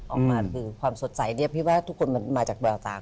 ออกมาคือความสดใสเนี่ยพี่ว่าทุกคนมันมาจากแววตาก